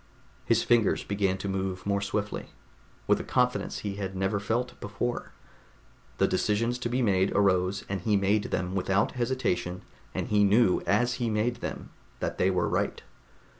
His fingers began to move more swiftly, with a confidence he had never felt before. The decisions to be made arose, and he made them without hesitation, and knew as he made them that they were right.